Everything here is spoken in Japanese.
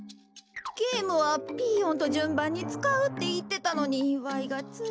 ゲームはピーヨンとじゅんばんにつかうっていってたのにわいがつい。